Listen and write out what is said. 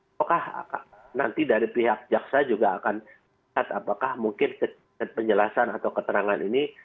apakah nanti dari pihak jaksa juga akan lihat apakah mungkin penjelasan atau keterangan ini